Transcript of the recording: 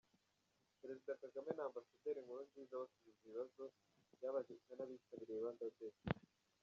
Perezida Kagame na Ambasaderi Nkurunziza basubiza ibibazo byabajijwe n’abitabiriye Rwanda Day.